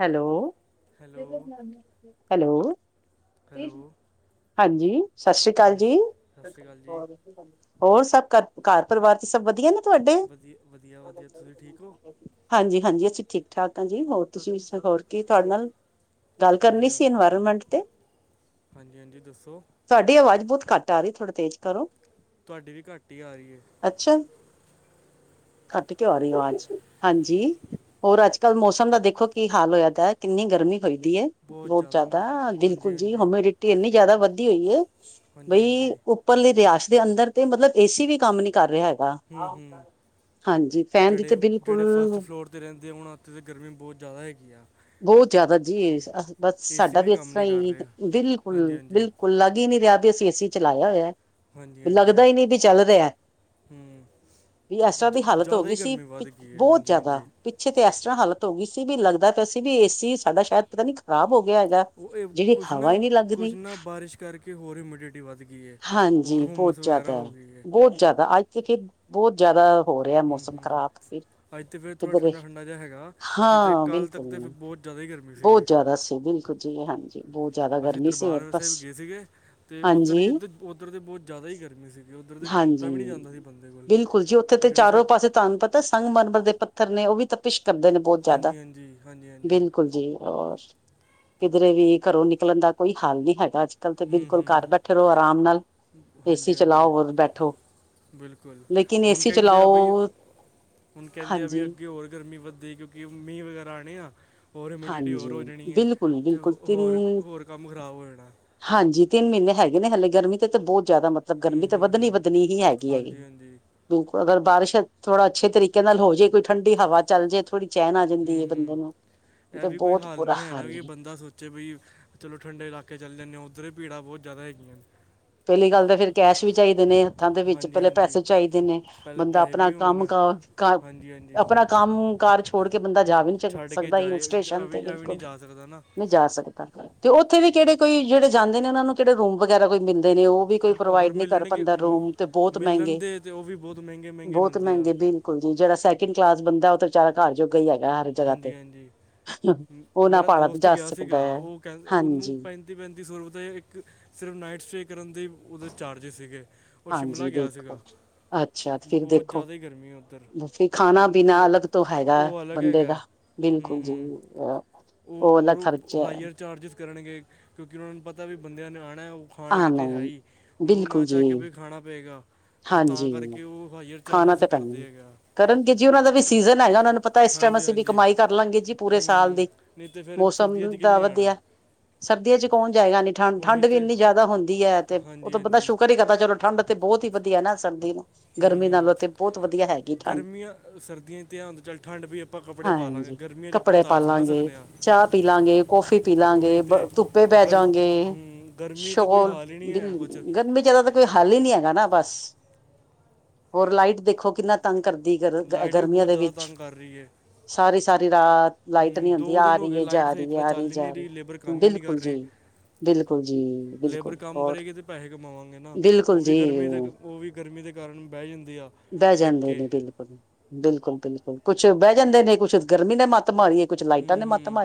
Hello, hello hello. Hello ਹਾਂਜੀ, ਸਾਸ਼ੀ ਕਾਲ ਹਾਂਜੀ ਸਸ ਜੀ। ਸਤਿ ਸ਼੍ਰੀ ਅਕਾਲ ਜੀ ਹੋਰ ਸੱਬ ਘ ਘਾੱਰ ਪਰਵਾਰ ਚ ਸੱਬ ਵਦੀਆ ਨੇ। ਤੁਆਡੇ। ਵਧੀਆ ਵਧੀਆ ਵਧੀਆ ਤੁਸੀਂ ਠੀਕ ਹੋ ਹਾਂਜੀ-ਹਾਂਜੀ ਅਸੀ ਠੀਕ-ਠਾਕ ਹਾਂ ਜੀ ਹੋਰ ਤੁਸੀ ਵੀ ਹੋਰ ਕੀ ਤੁਹਾਡੇ ਨਾਲ ਗਾੱਲ ਕਰਨੀ ਵਧੀਆ ਸੀ ਇਨਵਾਯਰਮੈਂਟ ਤੇ। ਹਾਂਜੀ ਹਾਂਜੀ ਦੱਸੋ ਤੁਹਾਡੀ ਅਵਾਜ ਬੋਤ ਘਾੱਟ ਆ ਰੀ ਏ ਥੋੜਾ ਤੇਜ ਕਰੋ। ਤੁਆਡੀ ਵੀ ਘਾੱਟ ਈ ਆ ਰੀ ਏ। ਅੱਛਾ, ਕਾੱਟ ਕਯੋ ਆਰੀ ਏ ਅਵਾਜ, ਹਾਂਜੀ ਹੋਰ ਆੱਜ ਕਾੱਲ ਮੌਸਮ ਦਾ ਦੇਖੋ ਕੀ ਹਾਲ ਓਏਦੈ ਕਿੰਨੀ ਗਰਮੀ ਹੋਈਦੀ ਏ। ਬਹੁਤ ਬੋਤ ਜ਼ਿਆਦਾ ਜਾਦਾ ਹਾਂਜੀ ਬਿਲਕੁਲ ਜੀ ਹਾਂਜੀ ਹੋਮੇਡਿਟੀ ਇੰਨੀ ਜਾਦਾ ਵੱਦੀ ਓਈ ਏ, ਹਾਂਜੀ ਬਈ ਹਾਂਜੀ ਉੱਪਰਲੀ ਰੇਆਸ ਦੇ ਅਂਦਰ ਤੇ ਮਤਲਬ ਏਸੀ ਵੀ ਕਾਮ ਨੀ ਕਾਰ ਰੇਆ ਐ ਹੂੰ-ਹੂੰ, ਫੈਨ ਦੀ ਤੇ ਜੜੇ-ਜੜੇ ਫਸਟ ਬਿਲਕੁਲ ਫਲੋਰ ਤੇ ਰੈਂਦੈ ਆ ਉਨਾ ਉੱਤੇ ਤਾ ਗਰਮੀ ਬੋਤ ਜਾਦਾ ਐਗੀ ਆ ਬੋਤ ਜਾਦਾ ਜੀ, ਬਾੱਸ ਏਸੀ ਸਾਡਾ ਵੀ ਇਸ ਕੰਮ ਤਰਾ ਨਹੀਂ ਕਰ ਈ ਰਹੇ ਹਾਂਜੀ ਬਿਲਕੁਲ- ਹਾਂਜੀ ਬਿਲਕੁਲ। ਲਾੱਗ ਈ ਨੀ ਰੇਆ ਬੀ ਅਸੀ ਏਸੀ ਚਲਾਏਆ ਓਯੈ, ਹਾਂਜੀ ਹਾਂਜੀ ਲੱਗਦਾ ਈ ਨੀ ਬੀ ਚੱਲ ਰੇਐ। ਹੂੰ ਵੀ ਐਸ ਤਰਾ ਜ ਦੀ ਹਾਲਤ ਹੋ ਜ਼ਿਆਦਾ ਹੀ ਗੀ ਸੀ, ਗਰਮੀ ਕੀ ਵੱਧ ਗਈ ਹੈ ਬੋਤ ਹਾਂਜੀ ਜਾਦਾ ਹਾਂਜੀ ਪਿੱਛੇ ਤੇ ਐ ਤਰਾ ਹਾਲਤ ਓ ਗਈ ਸੀ ਵੀ ਲੱਗਦਾ ਤਾ ਸੀ ਬੀ ਏਸੀ ਈ ਸਾਡਾ ਸ਼ੈਦ ਪਤਾ ਨੀ ਖਰਾਬ ਓ ਓ ਏ ਕੁਛ ਨਾ ਕੁਛ ਰਹੀ ਨਾ ਬਾਰਿਸ਼ ਕਾਰਕੇ ਹੋਰ ਹਯੂਮਿਡਿਟੀ ਵੱਦ ਗੀ ਏ। ਹਾਂਜੀ ਬੋਤ ਜਾਦਾ ਏ, ਬੋਤ ਜਾਦਾ ਆੱਜ [unintelligible] ਬੋਤ ਜਾਦਾ ਹੋ ਰੇਐ ਹੂੰ ਮੌਸਮ ਹੂੰ ਖਰਾਬ ਫੇਰ ਅੱਜ ਤੇ ਫਿਰ ਥੋੜਾ ਕਿਦਰੇ, ਠੰਡਾ ਠੰਡਾ ਜਿਹਾ ਹੈਗਾ ਨਹੀਂ ਤੇ ਹਾਂ ਬਿਲ ਕੱਲ ਤੱਕ ਤੇ ਫਿਰ ਬਹੁਤ ਜ਼ਿਆਦਾ ਹੀ ਗਰਮੀ ਸੀਗੀ ਬੋਤ ਜਾਦਾ ਸੀ ਬਿਲਕੁਲ ਜੀ ਹਾਂਜੀ ਬੋਤ ਜਾਦਾ ਅਸੀਂ ਦਰਬਾਰ ਸਾਹਿਬ ਗਏ ਸੀਗੇ ਤੇ ਉੱਧਰ ਹੀ ਹਾਂਜੀ ਉੱਧਰ-ਉੱਧਰ ਤਾਂ ਬੌਤ ਜਾਦਾ ਹੀ ਗਰਮੀ ਸੀ। ਉਧਰ ਤੇ ਖਲੋਤਾ ਹਾਂਜੀ ਵੀ ਨਹੀਂ ਜਾਂਦਾ ਬੰਦੇ ਕੋਲ ਬਿਲਕੁਲ ਜੀ ਉੱਥੇ ਤੇ ਜਿਹੜੇ ਸਾ ਚਾਰੋਂ ਪਾਸੇ ਤੁਹਾਨੂੰ ਪਤਾ ਸੰਗ ਮਰਮਰ ਦੇ ਪਤ ਪੱਥਰ ਨੇ ਉਹ ਵੀ ਤਾਂਪਿਸ਼ ਕਰਦੇ ਨੇ ਬੌਤ ਜਾਦਾ। ਜੀ ਹਾਂਜੀ ਹਜੀ ਬਿਲਕੁਲ ਜੀ ਔਰ ਕਿਧਰੇ ਵੀ ਘਰੋਂ ਨਿਕਲਣ ਦਾ ਕੋਈ ਹਾਲ ਨੀ ਹੈਗਾ ਅੱਜ ਕੱਲ ਤੇ ਹੂੰ ਬਿਲਕੁਲ ਹੂੰ ਘਰ ਬੈਠੇ ਰਹੋ ਆਰਾਮ ਨਾਲ। ਏਸੀ ਹਾਂਜੀ ਹਾਂਜੀ ਚਲਾਓ ਔਰ ਬੈਠੋ ਬਿਲਕੁਲ ਲੇਕਿਨ ਹੁਣ ਏਸੀ ਕਹਿੰਦੇ ਆ ਚਲਾਓ ਬਈ ਹੁਣ ਕਹਿੰਦੇ ਆ ਵੀ ਹਾਂਜੀ ਅੱਗੇ ਹੋਰ ਗਰਮੀ ਵੱਧੇਦੀ ਕਿਉਂਕਿ ਮੀਂਹ ਵਗੈਰਾ ਆਉਣੇ ਆ ਹੋਰ ਹਿਮੀਿਡਿਟੀ ਹੋਰ ਹਾਂਜੀ ਹੋ ਜਾਣੀ ਹੈ ਬਿਲਕੁਲ ਤੇ ਬਿਲਕੁਲ ਹੋ ਤਿੰਨ ਹੋਰ-ਹੋਰ ਕੰਮ ਖ਼ਰਾਬ ਹੋ ਜਾਣਾ। ਹਾਂਜੀ ਤਿੰਨ ਮਹੀਨੇ ਹੈਗੇ ਨੇ ਹਲੇ ਗਰਮੀ ਤੇ ਤਾਂ ਬੌਤ ਜਾਦਾ ਮਤ ਬ ਹੂੰ ਗਰਮੀ ਤਾਂ ਹੂੰ ਹੂੰ ਵੱਧਣੀ-ਵੱਧਣੀ ਹੀ ਹੈਗੀ-ਹੈਗੀ। ਹਾਂਜੀ ਹਾਂਜੀ ਬਿਲਕੁਲ ਅਗਰ ਬਾਰਿਸ਼ ਥੋੜਾ ਅੱਛੇ ਤਰੀਕੇ ਨਾਲ ਹੋ ਜੇ ਕੋਈ ਠੰਡੀ ਹਵਾ ਚੱਲ ਜੇ ਥੋੜੀ ਚੈਨ ਆ ਹੂੰ ਜਾਂਦੀ ਏ ਬੰਦੇ ਹੂੰ ਨੂੰ। ਇਹ ਤੇ ਵੀ ਕੋਈ ਬਹੁਤ ਹੱਲ ਬੁਰਾ ਨੀ ਹੈਗਾ ਹਾਲ ਵੀ ਹੈ ਬਂ ਦਾ ਸੋਚੇ ਵੀ ਚਲੋ ਠੰਡੇ ਇਲਾਕੇ ਚੱਲ ਜਾਂਦੇ ਹਾਂ ਉੱਧਰ ਵੀ ਭੀੜਾਂ ਬਹੁਤ ਜਾਦਾ ਹੈਗੀਆਂ ਨੇ। ਪਹਿਲੀ ਗੱਲ ਤਾਂ ਫਿਰ ਕੈਸ਼ ਵੀ ਚਾਹੀਦੇ ਨੇ ਹੱਥਾਂ ਦੇ ਵਿੱਚ ਹਾਂਜੀ ਪਹਿਲੇ ਹਾਂਜੀ ਪੈਸੇ ਚਾਹੀਦੇ ਨੇ। ਪਹਿਲੇ ਬੰਦਾ ਪੈਸੇ ਆਪਣਾ ਵੀ ਕੰਮ ਹੋਣ ਕ ਕਾ ਹਾਂਜੀ ਹਾਂਜੀ ਆਪਣਾ ਕੰਮ ਕਾਰਜ ਛੋੜ ਕੇ ਬੰਦਾ ਜਾ ਵੀ ਨੀ ਛੱਡ ਕੇ ਸਕਦਾ ਹਿਲ ਜਾਏ ਸਟੇਸ਼ਨ ਤੇ ਅਵੀ ਅਵੀ ਨਹੀਂ ਬਿਲਕੁਲ। ਜਾ ਸਕਦਾ ਨਾ ਜਾ ਸਕਦਾ ਤੇ ਉੱਥੇ ਵੀ ਕਿਹੜੇ ਕੋਈ ਜਿਹੜੇ ਜਾਂਦੇ ਨੇ ਉਹਨਾਂ ਨੂੰ ਕਿਹੜੇ ਰੂਮ ਵਗੈਰਾ ਕੋਈ ਮਿਲਦੇ ਨੇ ਉਹ ਵੀ ਕੋਈ ਅਗਰ ਪ੍ਰੋਵਾਈਡ ਨੀ ਕਰ ਮਿਲਣਗੇ ਪਾਂਦਾ ਮ- ਰੂਮ ਤੇ ਬੌਤ ਮਿਲਣ ਮਹਿੰਗੇ ਦੇ ਤੇ ਉਹ ਵੀ ਬਹੁਤ ਮਹਿੰਗੇ ਮਹਿੰਗੇ ਬੌਤ ਮਿਲਦੇ ਆ ਮਹਿੰਗੇ ਬਿਲ ਕੁਲ ਜੀ ਜੇਹੜਾ ਸੈਕਿੰਡ ਕਲਾਸ ਬੰਦਾ ਉਹ ਤੇ ਵੇਚਾਰਾ ਘਰ ਜੋਗਾ ਹੀ ਹੈਗਾ ਹਰ ਜਗ੍ਹਾ ਤੇ। ਹਾਂਜੀ ਹਾਂਜੀ ਉਹ ਨਾ ਮੇਰਾ ਪਾਲਾ ਵੀ ਦੋਸਤ ਜਾ ਗਆ ਸਕਦਾ ਸੀਗਾ ਹੈ। ਉਹ ਕਹਿੰ ਉਹਨੂੰ ਹਾਂਜੀ ਪੈਂ ਤੀ ਪੈਂਤੀ ਸੌ ਰੁਪਏ ਇੱਕ ਸਿਰਫ ਨਾਈਟ ਸਟੇ ਕਰਨ ਦੇ ਉਹਦੇ ਚਾਰਜਿਸ ਸੀਗੇ। ਉਹ ਸ਼ਿਮਲਾ ਹਾਂਜੀ ਗਿਆ ਸੀਗਾ ਦੇਖੋ। ਅੱਛਾ ਫਿਰ ਬਹੁਤ ਦੇਖੋ ਜ਼ਿਆਦਾ ਹੀ ਗਰਮੀ ਹੈ ਉੱਧਰ ਫੇ ਬ- ਖਾਣਾ-ਪੀਣਾ ਤੇ ਅਲੱਗ ਤੋਂ ਹੈਗਾ ਉਹ ਅਲੱਗ ਬੰਦੇ ਦਾ, ਹੈਗਾ ਹੂੰ ਬਿਲਕੁਲ ਜੀ ਹੂੰ ਆ ਉਹ ਹੋਰ ਹਾਈਅਰ ਚਾਰਜਿਸ ਕਰਨਗੇ ਕਿਉਂਕਿ ਉਹਨਾਂ ਨੂੰ ਪਤਾ ਵੀ ਬੰਦਿਆਂ ਨੇ ਆਣਾ ਓਹ ਆ ਖਾਣਗੇ ਤੇ ਹੈ ਨਹੀਂ ਹੀ ਹੁਣ ਓਹ ਬਿਲਕੁਲ ਨਾ ਜੀ ਚਾ ਕੇ ਵੀ ਖਾਣਾ ਪਏਗਾ। ਤੇ ਤਾਂ ਹਾਂਜੀ ਕਰਕੇ ਉਹ ਹਾਈਅਰ ਖਾਣਾ ਚਾਰਜਿਸ ਹੀ ਤਾਂ ਕਰਦੇ ਪੈਣਾ ਹੈਗਾ। ਕਰਨਗੇ ਜੀ ਉਹਨਾਂ ਦਾ ਵੀ ਸੀਜਨ ਹੈਗਾ ਉਹਨਾਂ ਨੂੰ ਪਤਾ ਇਸ ਟੈਮ ਹਾਂਜੀ ਅਸੀਂ ਵੀ ਹਾਂਜੀ ਕਮਾਈ ਕਰ ਲਾਂਗੇ ਜੀ ਪੂਰੇ ਹੂੰ ਸਾਲ ਹੂੰ ਦੀ। ਨਹੀਂ ਤੇ ਫਿਰ ਮੌਸਮ ਸਰਦੀਆਂ 'ਚ ਦਾ ਕਿੰਨੇ ਆਣਾ ਹੈ? ਵਧੀਆ। ਸਰਦੀਆਂ ਚ ਕੌਣ ਜਾਏਗਾ ਐਨੀ ਉਹੀ ਠੰਡ-ਠੰਡ ਵੀ ਤੇ ਇੰਨੀ ਜਾਦਾ ਹੁੰਦੀ ਹੈ ਤੇ ਹਾਂਜੀ ਓਤੇ ਬੰਦਾ ਹਾਂਜੀ ਸ਼ੁਕਰ ਹੀ ਕਰਤਾ ਚਲੋ ਠੰਡ ਤੇ ਬੋਹਤ ਹੀ ਵਧੀਆ ਨਾ ਸਰਦੀ ਨੂੰ ਗਰਮੀ ਨਾਲੋਂ ਤੇ ਬਹੁਤ ਵਧੀਆ ਹੈਗੀ ਹੂਂ-ਹੂਂ ਠੰਡ ਗਰਮੀਆਂ ਸਰਦੀਆਂ ਇਚ ਤੇ ਹੁੰਦਾ ਚੱਲ ਠੰਡ ਪੀ ਆਪ ਹਾਂਜੀ ਕੱਪੜੇ ਪਾਲਾਂਗੇ, ਸਕਦੇ ਆ ਚਾ ਪੀਲਾਂਗੇ, ਕੌਫੀ ਉਹੀ ਪੀਲਾਂਗੇ। ਤੇ ਧੁੱਪੇ ਪੈ ਗਰ ਜਾਗੇ ਹੂੰ, ਗਰਮੀ ਤੇ ਕੋਈ ਸ਼ੋਲ ਹਾਲ ਹੀ ਨਹੀਂ ਗੀ ਹੈ ਕੁਝ ਗਰਮੀ ਜਿਆਦਾਤਰ ਕੋਈ ਹੱਲ ਹੀ ਨੀ ਹੈਗਾ ਨਾ ਬਸ, ਹੋਰ ਲਾਈਟ ਦੇਖੋ ਕਿੰਨਾ ਤੰਗ ਕਰਦੀ ਗਰ ਅ ਲਾਈਟ ਵੀ ਗਰਮੀਆਂ ਬਹੁਤ ਦੇ ਜ਼ਿਆਦਾ ਵਿੱਚ ਤੰਗ ਸਾਰੀ-ਸਾਰੀ ਰਾਤ। ਲਾਈਟ ਹੂਂ ਨਹੀਂ ਹੁੰਦੀ ਦੋ ਆ ਦਿਨ ਹੋ ਰਹੀ ਗਏ ਹੈ ਲਾਈਟ ਜਾ ਸਹੀ ਰਹੀ ਹੈ ਤਰ੍ਹਾਂ ਆ ਚੱਲ ਹੀ ਨੀ ਜਾ ਰਹੀ ਲੇਬਰ ਕੰਮ ਹੀ ਨੀ ਬਿਲਕੁਲ ਕਰ ਰਹੀ। ਜੀ ਬਿਲਕੁਲ ਜੀ ਬਿਲਕੁਲ ਲੇਬਰ ਕੰਮ ਔਰ ਕਰੇਗੀ ਤੇ ਪੈਹੈ ਕਮਾਵਾਂਗੇ ਨਾ ਬਿਲਕੁਲ ਓਹ ਵੀ ਜੀ ਗਰਮੀ ਤੇ ਓਹ ਵੀ ਗਰਮੀ ਦੇ ਕਾਰਨ ਬਹਿ ਜਾਂਦੀ ਆ। ਬਹਿ ਟਿਕ ਜਾਂਦੇ ਕੇ ਨੇ ਬਿਲਕੁਲ-ਬਿਲਕੁਲ, ਬਿਲਕੁਲ ਕੁਛ ਬਹਿ ਜਾਂਦੇ ਨੇ ਕੁੱਛ ਗਰਮੀ ਨੇ ਮੱਤ ਮਾਰੀ ਏ। ਹੂੰ-ਹੂੰ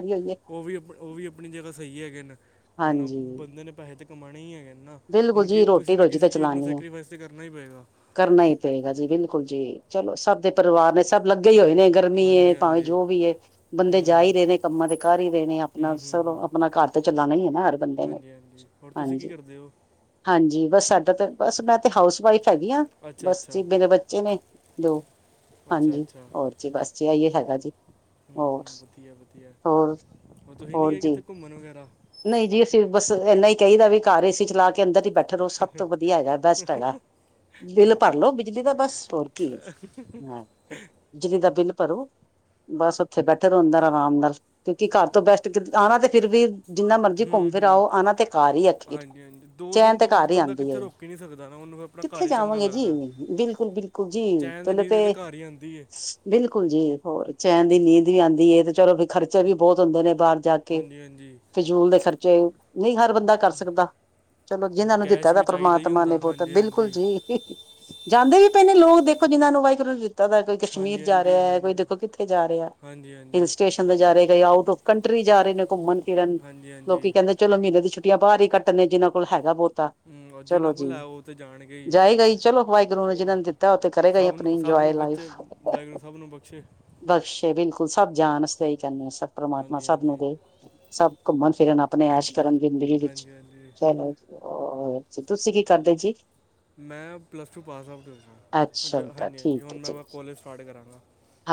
ਉਹ ਵੀ ਅਪ ਉਹ ਵੀ ਆਪਣੀ ਜਗ੍ਹਾ ਸਹੀ ਹੈਗੇ ਨ। ਹੁਣ ਹਾਂਜੀ ਬੰਦੇ ਨੇ ਪੈਹੇ ਤਾਂ ਕਮਾਣੇ ਹੀ ਹੈਗੇ ਨੇ ਨਾ ਬਿਲਕੁਲ ਹੁਣ ਜੀ ਕਿ ਰੋਟੀ ਕਿਸੇ ਨਾ ਰੋਜੀ ਤਾਂ ਕਿਸੇ ਚੀਜ਼ ਨੂੰ ਚਲਾਉਣੀ ਹੈ ਸੈਕਰੀਫਾਈਸ ਤੇ ਕਰਨਾ ਹੀ ਪਏਗਾ। ਕਰਨਾ ਹੀ ਪਏਗਾ ਜੀ ਬਿਲਕੁਲ ਜੀ, ਚਲੋਂ ਸਭ ਦੇ ਪਰਿਵਾਰ ਨੇ ਸਭ ਲੱਗੇ ਹੀ ਹੋਏ ਨੇ ਗ ਰਮੀ ਏ ਹਾਂਜੀ ਭਾਵੇਂ ਹਾਂਜੀ ਜੋ ਵੀ ਏ, ਬੰਦੇ ਹੂੰ ਜਾ ਹੀ ਹੂੰ ਰਹੇ ਨੇ ਕੰਮਾਂ ਤੇ ਕਰ ਹੀ ਰਹੇ ਨੇ ਆਪਣਾ ਹੂੰ ਸ, ਹੂੰ ਹੂੰ ਆਪਣਾ ਘਰ ਤੇ ਚਲਾਨਾ ਈ ਐ ਨਾ ਹਰ ਬੰਦੇ ਨੇ ਹਾਂਜੀ ਹਾਂਜੀ, ਹੋਰ ਤੁਸੀਂ ਕੀ ਹਾਂਜੀ ਕਰਦੇ ਹੋ। ਹਾਂਜੀ, ਬਸ ਸਾਡਾ ਤਾਂ ਬਸ ਮੈਂ ਤੇ ਹਾਊਸ ਵਾਈਫ ਹੈਗੀ ਆ, ਅੱਛਾ ਬਸ ਅੱਛਾ ਜੀ ਮੇਰੇ ਬੱਚੇ ਨੇ ਦੋ, ਅੱਛਾ ਹਾਂਜੀ, ਅੱਛਾ ਹੋਰ ਚੇ, ਬਸ ਜੀ ਇਹ ਇਹਏ ਹੈਗਾ ਜੀ। ਹੋਰ ਹੂੰ, ਵਧੀਆ ਵਧੀਆ, ਹੋਰ ਹਰ ਤੁਸੀਂ ਨਹੀਂ ਹੋਰ ਗਏ ਜੀ ਕਿੱਥੇ ਘੁੰਮਣ ਵਗੈਰਾ? ਨਹੀਂ ਜੀ ਅਸੀਂ ਬਸ ਇੰਨਾ ਹੀ ਕਹੀਦਾ, ਵੀ ਘਰ ਏਸੀ ਚਲਾ ਕੇ ਅੰਦਰ ਹੀ ਬੈ ਠੋ ਰਾਓ, ਸਭ ਤੋਂ ਵਧੀਆ ਹੈਗਾ ਬੈਸਟ ਹੈਗਾ, ਬਿੱਲ ਭਰ ਲੋ ਬਿਜਲੀ ਦਾ ਬਸ ਹੋਰ ਕੀ। ਹੁ ਹੈ ਬਿਜਲੀ ਦਾ ਬਿਲ ਭਰੋ। ਬਸ ਉੱਥੇ ਬੈਠੇ ਰਹੋ ਅੰਦਰ ਆਰਾਮ ਨਾਲ, ਕਿਉਂਕਿ ਘਰ ਤੋਂ ਬੈਸਟ, ਆਣਾ ਤੇ ਫਿਰ ਵੀ ਜਿੰਨਾ ਮਰਜ਼ੀ ਹੂੰ ਘੁੰਮ ਫਿਰ ਹੂੰ ਆਓ, ਆਨਾ ਤੇ ਘਰ ਹੀ ਆਖੀਰ ਹਾਂਜੀ ਹਾਂਜੀ ਦੋ ਚੈਨ ਦਿਨ ਤੇ ਤੋਂ ਵੱਧ ਘਾਰ ਹੀ ਬੰਦਾ ਆਉਂਦੀ ਕਿੱਥੇ ਐ। ਰੁਕ ਹੀ ਨਹੀਂ ਸਕਦਾ ਨਾ ਉਹਨੂੰ ਫਿਰ ਆਪਣਾ ਘਰ ਕਿੱਥੇ ਹੀ ਚੰਗਾ ਜਾਵਾਂਗੇ ਜੀ, ਲੱਗਦਾ ਬਿਲਕੁਲ ਬਿਲਕੁਲ ਜੀ ਚੈਨ ਦੀ ਪਹਿਲੇ ਨੀਂਦ ਵੀ ਤਾਂ ਤੇ ਘਰ ਹੀ ਆਉਂਦੀ ਏ ਬਿਲਕੁਲ ਜੀ, ਹੋਰ ਚੈਨ ਦੀ ਨੀਂਦ ਵੀ ਆਦੀ ਐ ਤੇ ਚਲੋ ਖਰਚੇ ਵੀ ਬਹੁਤ ਹੁੰਦੇ ਨੇ ਬਾਹਰ ਹਾਂਜੀ ਹਾਂਜੀ। ਫਿਜ਼ੂਲ ਦੇ ਖਰਚੇ ਨਈ ਹਰ ਬੰਦਾ ਕਰ ਸਕਦਾ। ਚਲੋਂ ਜਿਹਨਾਂ ਨੂੰ ਦਿੱਤਾ ਕੈਸ਼ ਦਾ ਵੀ ਚਾਹੀਦਾ ਹੀ ਪਰਮਾਤਮਾ ਨੇ ਹੁੰਦਾ ਬੋਤਾ ਹਾਂਜੀ ਬਿਲਕੁਲ ਹਾਂਜੀ ਜੀ। ਜਾਂਦੇ ਵੀ ਪਏ ਨੇ ਲੋਕ, ਦੇਖੋ ਜਿੰਹਨਾਂ ਨੂੰ ਵਾਹਿਗੁਰੂ ਨੇ ਦਿ ਤਾ ਦਾ, ਕੋਈ ਕਸ਼ਮੀਰ ਹਾਂਜੀ ਜਾ ਰਿਹਾ ਹਾਂਜੀ ਐ ਕੋਈ ਹਾਂਜੀ ਦੇਖੋ ਕਿੱਥੇ ਜਾ ਰਿਆ, ਹਾਂਜੀ ਹਿਲ ਹਾਂਜੀ ਸਟੇ ਜਾ ਰਹੇ ਕ ਆਊਟ ਔਫ ਕੰਟਰੀ ਜਾ ਰਹੇ ਨੇ ਘੁੰਮਣ ਫਿਰਨ, ਹਾਂਜੀ ਲੋਕੀ ਹਾਂਜੀ ਕਹਿੰਦੇ ਚਲੋਂ ਮੀਂਨੇ ਦੀ ਛੁੱਟੀਆਂ ਬਾਹਰ ਹੀ ਕੱਟ ਆਉਂਨੇ ਆ ਜਿਨਾਂ ਕੋਲ ਹੈਗਾ ਬਹੁਤਾ। ਹਮ, ਔਰ ਜਿਹਨਾਂ ਚਲੋਂ ਜੀ, ਕੋਲ ਹੈ ਉਹ ਤੇ ਜਾਣਗੇ ਹੀ ਜਾਏਗਾ ਈ ਜੀ ਚਲੋਂ ਵਾਹਿਗੁਰੂ ਨੇ ਉਹ ਜਿਹਨਾਂ ਨੇ ਦਿੱਤਾ, ਉਹ ਤੇ ਕਰੇਗਾ ਹੀ ਸਭ ਆਪਣੀ ਨੂੰ ਸਭ ਇੰਜੋਏ ਨੂੰ ਬੱਚੇ, ਲਾਈਫ। ਵਾਹਿਗੁਰੂ ਨੂੰ ਸਭ ਨੂੰ ਬਖਸ਼ੇ। ਬਖਸ਼ੇ ਬਿਲਕੁਲ, ਸਭ ਜਾਣ ਅਸੀ ਤੇ ਹੀ ਕਹਨੇ ਆ, ਸਭ ਪਰਮਾਤਮਾ ਹਾਂਜੀ ਸਭ ਨੂੰ ਹਾਂਜੀ ਦੇ, ਸਭ ਘੁੰਮਣ ਫਿਰਨ ਆਪਣੇ ਐਸ਼ ਕਰਨ ਜ਼ਿੰਦਗੀ ਵਿੱਚ ਹਾਂਜੀ ਹਾਂਜੀ ਚਲੋ। ਆਰ, ਤੁਸੀਂ ਕੀ ਕਰਦੇ ਜੀ? ਮੈਂ ਪਲੱਸ ਟੂ ਪਾਸ ਆਊਟ ਹੋਇਆ, ਅੱਛਾ ਹਾਂਜੀ ਬੇਟਾ ਹਾਂਜੀ ਠੀਕ ਹੈ ਹੁਣ ਜੀ ਮੈਂ ਕੋਲਜ ਸਟਾਟ ਕਰਾਂਗਾ।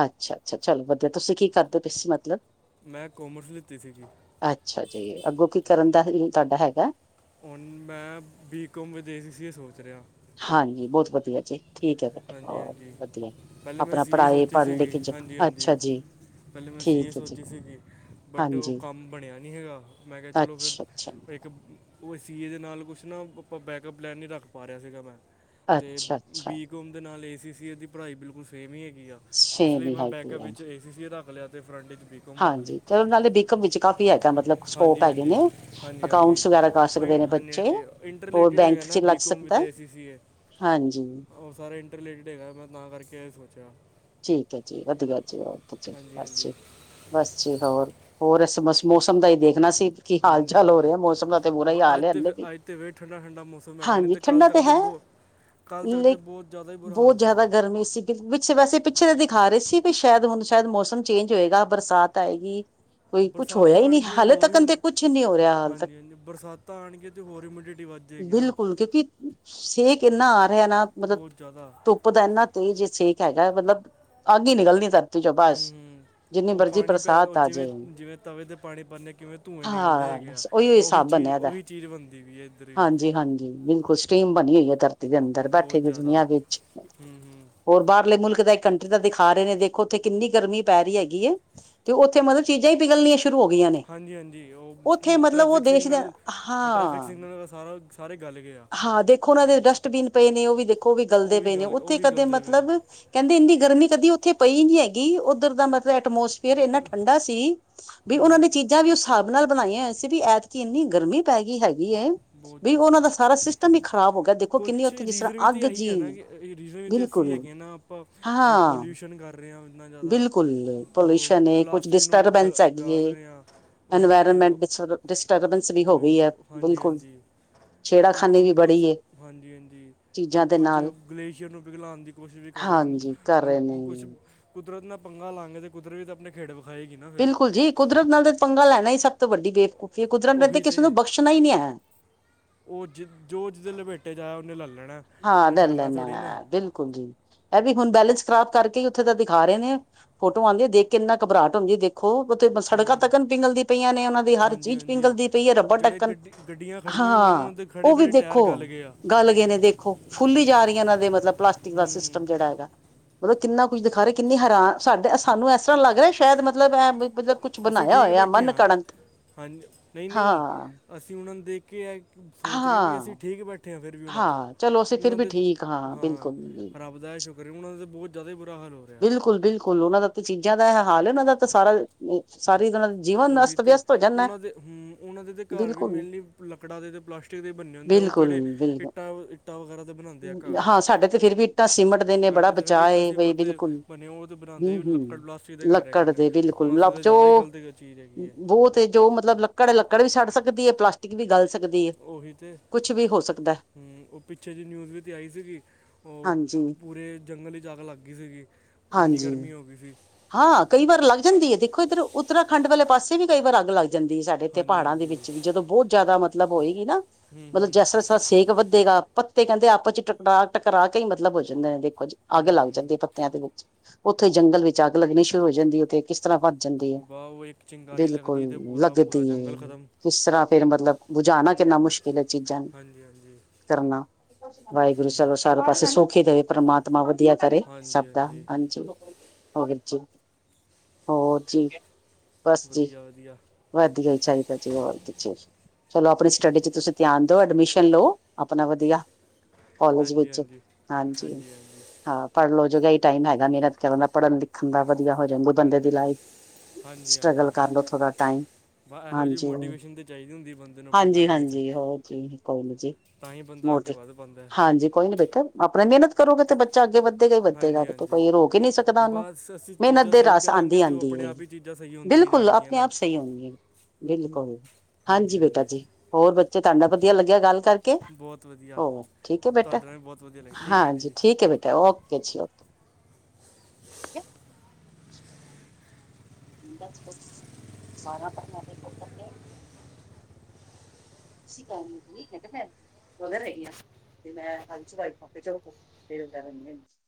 ਅੱਛਾ, ਅੱਛਾ ਚਲੋ ਵਧੀਆ, ਤੁਸੀਂ ਕੀ ਕਰਦੇ ਪਾਏ ਸੀ ਮਤਲਬ? ਮੈਂ ਕੋਮਰਸ ਲਿੱਤੀ ਸੀਗੀ। ਅੱਛਾ ਜੀ, ਅੱਗੋਂ ਕੀ ਕਰਨ ਦਾ ਇ ਇਰਾਦਾ ਹੈਗਾ। ਹੁਣ ਮੈਂ ਬੀਕੌਮ ਵਿਦ ਈ ਸੀਸੀ ਇਹ ਸੋਚ ਰਿਹਾ। ਹਾਂਜੀ ਬਹੁਤ ਵਧੀਆ ਜੀ। ਠੀਕ ਐ ਬੇਟੇ ਹਾਂਜੀ ਹੋਰ ਹਾਂਜੀ ਵਧੀਆ, ਪਹਿਲੇ ਮੈਂ ਆਪਣਾ ਸੀਏ ਪੜ੍ਹਾਏ ਸੋਚੀ ਪੜ੍ਹ ਸੀਗੀ ਲਿਖ ਕੇ, ਹਾਂਜੀ ਅੱਛਾ ਹਾਂਜੀ ਜੀ। ਪਹਿਲੇ ਮੈਂ ਸੀਏ ਠੀਕ ਹੈ ਜੀ ਸੋਚੀ ਸੀਗੀ। ਬਟ ਉਹ ਹਾਂਜੀ ਕੰਮ ਬਣਿਆ ਨੀ ਹੈਗਾ, ਮੈਂ ਕਿਹਾ ਚਲੋਂ ਅੱਛਾ ਅੱਛਾ ਫਿਰ ਇੱ ਕ ਉਹ ਏ ਸੀ ਦੇ ਨਾਲ ਕੁਛ ਨਾ ਆਪਾਂ ਬੈਕਅੱਪ ਪਲੈਨ ਨਹੀਂ ਰੱਖ ਪਾ ਰਿਆ ਸੀਗਾ ਮੈਂ। ਤੇ ਅੱਛਾ ਅੱਛਾ ਬੀਕੌਮ ਦੇ ਨਾਲ ਏ ਸੀ ਸੀ ਦੀ ਪੜ੍ਹਾਈ ਬਿਲਕੁਲ ਸੇਮ ਹੀ ਹੈਗੀ ਆ। ਇਸ ਲਈ ਛੇਵੀਂ ਮੈਂ ਹੈਗੀ ਬੈਕਅਪ ਹੈ ਵਿੱਚ ਏ ਸੀ ਸੀ ਰੱਕ ਲਿਆ, ਤੇ ਫਰੰਟ ਵਿੱਚ ਬੀ ਹਾਂਜੀ, ਚਲੋਂ ਨਾਲੇ ਬੀਕਮ ਵਿੱਚ ਕਾਫੀ ਹੈਗਾ, ਮਤਲਬ ਸਕੋਪ ਹਾਂਜੀ ਹੈਗੇ ਹਾਂਜੀ ਨੇ, ਹਾਂਜੀ ਹਾਂਜੀ ਅਕਾਉਂਟਸ ਵਗੈਰਾ ਕ ਰ ਸਕਦੇ ਨੇ ਉਹ ਹਾਂਜੀ ਬੱਚੇ, ਹਾਂਜੀ ਉਹ ਇੰਟਰਲੇਟਡ ਹੈਗਾ ਬੈਂਕ 'ਚ ਨਾ ਲੱਗ ਬੀਕਾਮ ਵਿਦ ਸਕਦਾ, ਏਸੀਸੀਏ ਹਾਂਜੀ। ਉਹ ਸਾਰਾ ਇੰਟਰ ਰਿਲੇਟਿਡ ਹੈਗਾ, ਮੈਂ ਤਾਂ ਕਰਕੇ ਇਹ ਸੋਚਿਆ। ਠੀਕ ਐ ਜੀ ਵਧੀਆ ਜੀ, ਹਾਂਜੀ ਬਸ ਹਾਂਜੀ ਜੀ। ਬਸ ਜੀ ਹੋਰ, ਹੋਰ ਅਸ ਬਸ ਮੌਸਮ ਦਾ ਹੀ ਦੇਖਣਾ ਸੀ। ਕੀ ਹਾਲ ਹਾਂਜੀ ਚਾਲ ਹੋ ਹਾਂਜੀ ਰਿਆ? ਮੌਸਮ ਦਾ ਤੇ ਬੁਰਾ ਹੀ ਬ ਹਾਲ ਅੱਜ ਐੇ ਤੇ ਫਿਰ- ਵੀ, ਅੱਜ ਤੇ ਵੇ ਠੰਡਾ ਠੰਡਾ ਮੌਸਮ ਹੈਗਾ ਨਹੀਂ ਹਾਂਜੀ, ਕੱਲ ਠੰਡਾ ਤੱਕ ਤੇ ਹੈ ਬਹੁਤ ਕੱਲ ਤੱਕ ਤੇ ਲੇ, ਬਹੁਤ ਜ਼ਿਆਦਾ ਹੀ ਬੁਰਾ ਬੋਤ ਹਾਲ ਜ਼ਿਆਦਾ ਸੀਗਾ ਗਰਮੀ ਸੀ। ਵਿੱਚ ਵੈਸੇ, ਪਿੱਛੇ ਤਾਂ ਦਿਖਾ ਰਹੇ ਸੀ, ਵੀ ਸ਼ਾਇਦ ਹੁਣ ਸ਼ਾਇਦ ਮੌਸਮ ਚੇਂਜ ਹੋਏਗਾ, ਬਰਸਾਤ ਆਏਗੀ। ਕੋਈ ਕੁਛ ਹੋਇਆ ਬਰਸਾਤਾਂ ਹੀ ਨੀ, ਆਣਗੀਆਂ ਹਾਲੇ ਹੋਰ ਹੀ ਤੱਕ ਤੇ ਹੁਮ- ਕੁਛ ਨੀ ਹੋ ਰਿਹਾ ਆ, ਹਾਲੇ ਤੱਕ ਹਾਂਜੀ ਹਾਂਜੀ ਬਰਸਾਤਾਂ ਆਣਗੀਆਂ ਤੇ ਹੋਰ ਹਿਊਮਿਡਿਟੀ ਵੱਧ ਜਾਏਗੀ ਨਾ ਬਿਲਕੁਲ, ਕਿਉਂਕਿ ਸੇਕ ਏਨਾ ਆ ਰਿਹਾ ਨਾ। ਮਤਲਬ ਬਹੁਤ ਜ਼ਿਆਦਾ ਪੁਦਾ, ਏਨਾ ਤੇਜ਼ ਸੇਕ ਹੈਗਾ, ਮਤਲਬ ਅੱਗ ਹੀ ਨਿਕਲਦੀ ਏ, ਸਾਰੀ ਹੂੰ-ਹੂੰ। ਓ ਪਾਣੀ ਪੈ, ਓ ਬਰਸਾਤ ਆ ਜਾਏ ਜਿਵੇਂ-ਜਿਵੇਂ ਤਵੇ 'ਤੇ ਪਾਣੀ ਪਾਣੇ ਆ, ਕਿਵੇਂ ਧੂੰਏਂ ਨਿਕਲਦੇ ਹਾਂ ਹੈਗੇ ਆ। ਬਸ ਉਹੀਓ ਓਹੀ ਹਿਸਾਬ ਚੀਜ਼, ਬਣਿਆ ਦਾ ਓਹੀ ਚੀਜ਼ ਬਣਦੀ ਵੀ ਹੈ, ਇੱਧਰ ਵੀ ਸਕਟੀਮ ਬਣੀ ਹੋਈ ਹੈ, ਧਰਤੀ ਦੇ ਹਾਂ, ਅੰਦਰ ਬੈਠੇ ਬਹੁਤ ਦੀ ਜ਼ਿਆਦਾ ਦੁਨੀਆਂ ਵਿੱਚ, ਹੂੰ ਹੂੰ ਹੋਰ ਬਾਹਰਲੇ ਮੁਲਕ ਦਾ ਕੰਟਰੀ ਦਾ ਦਿਖਾ ਰਹੇ ਨੇ ਦੇਖੋ, ਓਥੇ ਕਿੰਨੀ ਗਰਮੀ ਪੈ ਰਹੀ ਹੈਗੀ ਹੈ, ਤੇ ਓਥੇ ਮਤਲਬ ਚੀਜ਼ਾਂ ਹੀ ਪਿਘਲਣੀਆਂ। ਸ਼ੁਰੂ ਹੋ ਗਈਆਂ ਨੇ, ਹਾਂਜੀ ਹਾਂਜੀ ਉਹ ਓਥੇ ਮਤਲਬ ਓ ਟ੍ਰੈਫਿਕ ਦੇਸ਼ ਦੇ, ਸਿਗਨਲ ਟ੍ਰੈਫਿਕ ਹਾਂ ਸਿਗਨਲ ਦਾ ਸਾਰਾ ਸਾਰੇ ਗਲ ਗਏ ਆ ਹਾਂ, ਦੇਖੋ ਓਨਾਂ ਦੇ ਡਸਟਬੀਨ ਪਏ ਨੇ, ਓ ਵੀ ਦੇਖੋ ਓ ਵੀ ਉਹ ਗਲਦੇ ਪਏ ਨੇ, ਗਲ ਉਹ ਓਥੇ ਵੀ ਕਦੇ ਗਲਦੇ ਪਏ ਨੇ ਮਤਲਬ ਕੈਹਦੇ, ਏਨੀ ਗਰਮੀ ਕਦੀ ਓਥੇ ਪਈ ਨੀ ਹੈਗੀ, ਉੱਧਰ ਦਾ ਮ ਦਾ ਐਟਮੋਸਫੀਅਰ, ਏਨਾ ਠੰਢਾ ਸੀ ਵੀ ਉਹ ਹਮ, ਨੇ ਚੀਜ਼ਾਂ ਜਾਂ ਵੀ, ਓ ਸਾਬ ਨਾਲ ਬਣਾਈਆਂ ਹੋਈਆਂ ਸੀ, ਵੀ ਐਤਕ ਏਨੀ ਗਰਮੀ ਪੈ ਗਈ ਹੈਗੀ। ਹੈ ਬਹੁਤ ਵੀ, ਓਨਾਂ ਦਾ ਸਾਰਾ ਸਿਸਟਮ ਹੀ ਖ਼ਰਾਬ ਹੋ ਗਿਆ, ਦੇਖੋ ਕਿੰਨੀ ਓਥੇ ਜਿਸ ਤਰ੍ਹਾਂ ਅੱਗ ਜੀ ਏ ਰੀਜ਼ਨ ਵੀ ਅਸੀਂ ਬਿਲਕੁਲ ਹੈਗੇ ਨਾ, ਆਪਾਂ ਬਈ ਹਾਂ ਪੋਲਿਊਸ਼ਨ ਕਰ ਰਹੇ ਹਾਂ। ਏਨਾ ਜ਼ਿਆਦਾ, ਬਿਲਕੁਲ ਓ ਪੋਲਿਊਸ਼ਨ ਹੈ ਪਲਾਸਟਿਕ ਨੂੰ ਗ ਗਾਲ ਰਹੇ ਹਾ। ਇਨਵਾਇਰਨਮੈਂਟ ਡਿਸਟਰਬੈਂਸ ਵੀ ਹੋ ਗਈ ਹੈ। ਬਿਲਕੁਲ ਹਾਂਜੀ-ਹਾਂਜੀ। ਓ ਛੇੜਾਖਾਨੀ ਵੀ ਓਨੂੰ ਬੜੀ ਕੁਛ, ਹੈ ਹਾਂਜੀ-ਹਾਂਜੀ, ਓ ਚੀਜ਼ਾਂ ਦੇ ਕੁੱਝ ਨਾਲ ਗਲੇਸ਼ੀਅਰ ਨੂੰ ਪਿਘਲਾਣ ਦੀ ਕੋਸ਼ਿਸ਼ ਵੀ ਕਰ ਰਹੇ ਹਨ, ਹਾਂਜੀ ਕਰ ਹੁਣ ਰਹੇ ਕੁਛ ਨੇ ਕੁਦਰਤ ਨਾ ਪੰਗਾ ਲਾਂਗੇ, ਤੇ ਕੁਦਰਤ ਵੀ ਤਾਂ ਆਪਣੀ ਖੇਡ ਵਿਖਾਏਗੀ ਨਾ। ਫਿਰ ਬਿਲਕੁਲ ਜੀ, ਕੁਦਰਤ ਨਾਲ ਤਾਂ ਪੰਗਾ ਲੈਣਾ ਹੀ, ਸਭ ਤੋਂ ਵੱਡੀ ਬੇਵਕੂਫੀ ਹੈ, ਕੁਦਰਤ ਨੇ ਤੇ ਉਹੀ ਕਿਸੇ ਨੂੰ ਬਖਸ਼ਣਾ ਹੀ ਨੀ ਹੈ। ਓ ਜੀ, ਜੋ ਓਹਦੇ ਲਪੇਟੇ 'ਚ ਆਇਆ, ਓਹਨੇ ਲਾ ਲੈਣਾ। ਹਾਂ, ਉਹਨੇ [inaudible] ਛੱਡਣਾ ਨਾ ਥੋੜੀ ਬਿਲਕੁਲ ਜੀ। ਏਹ ਵੀ ਹੁਣ ਬੈਲੈਂਸ ਖ਼ਰਾਬ ਕਰਕੇ, ਉੱਥੇ ਤਾਂ ਦਿਖਾ ਰਹੇ ਨੇ, ਫੋਟੋ ਆਂਦੀ ਹੈ, ਦੇਖ ਕੇ ਇੰਨਾ ਘਬਰਾਹਟ ਹੁੰਦੀ ਹੈ। ਦੇਖ ਖੋ ਉੱਥੇ ਸੜਕਾਂ ਹੂੰ ਤੀਕਣ ਪਿੰਗਲਦੀ ਪਈਆਂ ਨੇ, ਓਨਾ ਦੀ ਹਰ ਹਾਂਜੀ ਚੀਜ਼ ਹਾਂਜੀ ਪਿੰਗਲਦੀ ਪਈ ਹੈ, ਰੱਬੜ ਜਿਹੜੇ ਟੱਕਣ ਗੱਡੀ ਗੱਡੀਆਂ ਖੜੀਆਂ ਹੋਈਆਂ ਨੇ ਹਾਂ, ਉਹਨਾਂ ਦੇ ਓ ਖੜੇ ਵੀ ਖੜੇ ਟਾਇਰ ਦੇਖੋ ਗਲ ਗਏ ਆ ਗੱਲ ਗਏ ਨੇ, ਦੇਖੋ ਫੁੱਲੀ ਜਾ ਰਹੀਆ ਨੇ, ਏਦੇ ਮਤਲਬ ਪਲਾਸਟਿਕ ਹੂੰ ਦਾ ਹੂੰ ਸਿਸਟਮ ਜੇਹੜਾ ਹੈਗਾ। ਮਤਲਬ, ਕਿੰਨਾ ਕੁਝ ਦਿਖਾ ਰਹੇ, ਕਿੰਨੀ ਹੈਰਾਨ ਸਾਡੇ ਸਾਨੂੰ ਇਸ ਤਰ੍ਹਾਂ ਲੱਗ ਰਿਹਾ, ਸ਼ਾਇਦ ਮਤਲਬ ਐ ਮਤਲਬ ਕੁਛ ਅਸੀਂ ਬਣਾਇਆ ਠੀਕ ਹੋਇਆ ਬੈਠੇ ਮਨ ਹਾਂ, ਘੜਨ ਹਾਂਜੀ, ਨਹੀਂ-ਨਹੀਂ। ਹਾਂ, ਅਸੀਂ ਓਹਨਾਂ ਨੂੰ ਦੇਖ ਕੇ ਸੋਚ ਰਹੇ ਹਾਂ, ਵੀ ਅਸੀਂ ਠੀਕ ਬੈਠੇ। ਫੇਰ ਵੀ, ਓਨਾਂ ਤੋਂ ਹਾਂ ਚਲੋ ਅਸੀਂ ਫਿਰ ਉਹਨਾਂ ਵੀ ਦੇ ਠੀਕ ਹਾਂ, ਬਿਲਕੁਲ ਰੱਬ ਦਾ ਇਹ ਸ਼ੁਕਰ ਨੀ ਮਨਾਉਦੇਂ, ਬੋਤ ਜ਼ਿਆਦਾ ਹੀ ਬੁਰਾ ਹਾਲ ਹੋ। ਰਿਹਾ ਬਿਲਕੁਲ-ਬਿਲਕੁਲ, ਓਨਾਂ ਦਾ ਤਾਂ ਚੀਜ਼ਾਂ ਦਾ ਹਾਲ ਐ, ਓਨਾ ਦਾ ਤਾਂ ਸਾਰਾ ਸਾਰੀ ਤਰ੍ਹਾ ਨਸਤ ਵਿਅਸਤ ਹੋ ਓਨਾ ਦੇ, ਓਨਾ ਦੇ ਤਾਂ ਘਰ ਵੀ ਬਿਲਕੁਲ ਮੇਨਲੀ ਲੱਕੜਾਂ ਦੇ ਅਤੇ ਪਲਾਸਟਿਕ ਦੇ ਬੰਨੇ ਹੁੰਦੇ ਆ, ਓ ਬਿਲਕੁਲ ਕਿਹੜੇ ਇੱਟਾਂ, ਇੱਟਾਂ ਵਗੈਰਾ ਤਾਂ ਬਣਾਉਂਦੇ ਆ, ਬਿਲਕੁਲ ਘਰ। ਹਾਂ ਸਾਡੇ ਤੇ ਫੇਰ ਵੀ ਸੀਮੈਂਟ ਦੇ ਨੇ ਬੜਾ ਸਾਡੇ ਤੇ ਫਿਰ ਬਚਾ ਇੱਟਾਂ ਏ, ਸੀਮਤ ਤੇ ਬਿਲਕੁਲ ਬਣੇ ਉਹ ਤੇ ਬਣਾਉਂਦੇ ਹੀ ਲੱਕੜ ਹੂੰ-ਹੂੰ, ਪਲਾਸਟਿਕ ਦੇ ਘਰ ਹੈਗੇ ਲੱਕੜ ਨੇ ਦੇ ਹੁਣ ਬਿਲਕੁਲ ਅਸੀਂ ਰੱਬ ਤੇ ਜ਼ਿਆਦਾ ਹੀ ਚੋਂ ਗਲਤ ਚੀਜ਼ ਹੈਗੀ ਹੈ ਬੋਤ ਜੋ ਮਤਲਬ ਲੱਕੜ-ਲੱਕੜ ਵੀ ਸੜ ਸਕਦੀ ਹੈ, ਪਲਾਸਟਿਕ ਵੀ ਗਲ ਸਕਦੀ ਐ, ਕੁੱਛ ਵੀ ਹੋ ਸਕਦੀ। ਓ ਪਿੱਛੇ ਜੇ ਨਿਊਜ਼ ਵਿੱਚ ਤਾਂ ਆਈ ਸੀਗੀ। ਓ ਹਾਂਜੀ ਪੂਰੇ ਜੰਗਲਵਿੱਚ ਅੱਗ ਲੱਗ ਗਈ ਸੀਗੀ, ਏਨੀ ਹਾਂਜੀ ਗਰਮੀ ਹੋ ਗਈ ਸੀ। ਹਾਂ, ਕਈ ਵਾਰ ਲੱਗ ਜਾਂਦੀ ਐ, ਦੇਖੋ ਇੱਧਰ ਉੱਤਰਾਖੰਡ ਵਾਲੇ ਪਾਸੇ ਵੀ ਕਈ ਵਾਰ ਅੱਗ ਲੱਗ ਜਾਂਦੀ ਐ ਸਾਡੇ ਤੇ ਹਾਂਜੀ ਪਹਾੜਾਂ ਦੇ ਹਾਂਜੀ ਵਿੱਚ ਵੀ, ਹੂੰ ਜਦੋਂ ਬੌਤ ਜਾਦਾ ਮਤਲਬ ਹੋਏਗੀ ਨਾ, ਮਤਲਬ ਹੂੰ ਜਸਰਸ ਸੇਕ ਵਧੇਗਾ, ਪੱਤੇ, ਕੈਂਦੇ ਅਪ 'ਚ ਟਕਰਾ -ਟਕਰਾ ਕੇ ਈ ਮਤਲਬ ਹੋ ਜਾਂਦੇ ਨੇ, ਦੇਖ ਅੱਗ ਹੂੰ ਲੱਗ ਹੂੰ ਜਾਂਦੀ ਪੱਤੇਆਂ ਦੇ ਵਿੱਚ, ਉੱਥੇ ਜੰਗਲ ਵਿੱਚ ਅੱਗ ਲੱਗਣੀ ਸ਼ੁਰੂ ਹੋ ਜਾਂਦੀ ਉੱਥੇ ਕਿਸ ਤਰ੍ਹਾਂ ਭੱਜ ਜਾਂਦੇ ਆ, ਉਹ ਬਾ ਉਹ ਇੱਕ ਚਿੰਗਾਰੀ ਬਿਲਕੁਲ, ਲੱਗਦੀ ਤੇ ਪੂਰਾ ਪੂਰਾ ਲੱਗਦੀ ਏ ਜੰਗਲ ਖਤਮ ਕਿਸ ਤਰ੍ਹਾਂ ਫੇਰ ਮਤਲਬ ਬੁਝਾਉਣਾ ਕਿੰਨਾ ਮੁਸ਼ਕਿਲ ਐ, ਚੀਜਾਂ ਨੂੰ, ਹਾਂਜੀ ਹਾਂਜੀ ਕਰਨਾ। ਵਾਏਗੁਰੂ ਹੂੰ ਚਲੋ, ਸਾਰੇ ਪਾਸੇ ਸੁੱਖੇ ਈ ਦੇਵੇ, ਪ੍ਰਮਾਤਮਾ ਵਧੀਆ ਕਰੇ। ਸਬ ਹਾਂਜੀ ਦਾ ਹਾਂਜੀ [unintelligible] ਹੋਰ ਜੀ, ਹੋਰ ਜੀ, ਬਸ ਜੀ। ਵਧੀਆ ਵਧੀਆ ਵਧੀਆ ਈ ਚਾਈਦਾ ਜੀ, ਹੋਰ ਕੀ ਜੀ, ਚਲੋ ਆਪਣੀ ਸਟੱਡੀ ਚ ਤੁਸੀਂ ਧਿਆਨ ਦਿਓ, ਐਡਮਿਸ਼ਨ ਹੈਲੋ, ਆਪਨਾ ਵਧੀਆ ਕੋਲਜ ਹਾਂਜੀ ਵਿੱਚ, ਹਾਂਜੀ ਹਾਂਜੀ। ਹਾਂ, ਪੜ੍ਹ ਲੋ ਜੇੜਾ ਟਾਈਮ ਹੈਗਾ ਮੇਹਨਤ ਕਰਨ ਦਾ ਪੜ੍ਹਨ ਲਿਖਣ ਦਾ, ਵਧੀਆ ਹੋ ਜਾਊ, ਬੰਦੇ ਦੀ ਹਾਂਜੀ ਲਾਈਫ ਹਾਂਜੀ ਸਟਰਗਲ ਹਾਂਜੀ ਕਰ ਲੋ, ਥੋੜਾ ਟਾਈਮ ਬਾ ਇਹੋ ਜੀ ਹਾਂਜੀ ਹੋਰ, ਮੋਟੀਵੇਸ਼ਨ ਤੇ ਚਾਹੀਦੀ ਹੁੰਦੀ ਬੰਦੇ ਨੂੰ ਆਪਣੀ ਹਾਂਜੀ ਲਾਈਫ ਵਿੱਚ ਹਾਂਜੀ, ਹੋਰ ਜੀ? ਤਾਂ ਹੀ ਬੰਦਾ ਅੱਗੇ ਵੱਧ ਪਾਉਂਦਾ ਹੈ ਹਾਂਜੀ ਕੋਈ ਨੀ, ਬੇਟਾ ਆਪਣੀ ਮੇਹਨਤ ਕਰੋਗੇ, ਤੇ ਬੱਚਾ ਅੱਗੇ ਵੱਧੇਗਾ, ਈ ਵੱਧੇਗਾ, ਹਾਂਜੀ ਬੇਟੇ ਹਾਂਜੀ ਕੋਈ ਰੋਕ ਈ ਨੀ ਸਕਦਾ ਓਨੂੰ, ਬਸ ਅਸੀਂ ਮੇਹਨਤ ਚੀਜ਼ਾਂ ਤੇ ਸਹੀ ਰਾਸ ਕਰਾਂਗੇ ਆਂਦੀ ਤੇ ਉਹ -ਆਂਦੀ ਆਪਣੇ ਏ। ਆਪ ਹੀ ਚੀਜ਼ਾਂ ਸਹੀ ਹੁੰਦੀਆਂ ਹੀ ਬਿਲਕੁਲ, ਜਾਣਗੀਆਂ ਆਪਣੇ ਨਾ ਆਪ ਸਈ ਹੋਣਗੇ, ਬਿਲਕੁਲ ਹਾਂਜੀ ਬੇਟਾ ਜੀ। ਹੋਰ ਬੱਚੇ, ਤੁਆਡੇ ਨਾਲ ਵਧੀਆ ਲੱਗੇਆ ਗੱਲ ਕਰ ਬਹੁਤ ਵਧੀਆ ਠੀਕ ਐ ਬੇਟਾ, ਤੁਹਾਡੇ ਨਾਲ ਵੀ ਬਹੁਤ ਵਧੀਆ ਲੱਗੀ ਠੀਕ ਹੈ ਆਂਟੀ ਹਾਂਜੀ ਜੀ ਠੀਕ ਐ ਬੇਟਾ, ਓਕੇ ਜੀ ਓਕੇ [inaudible] [unintelligible] [unintelligible] [unintelligible]